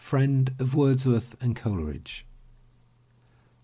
Friend of Wordsworth and Coleridge.